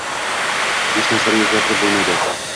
Hech narsani o’zgartirib bo’lmaydi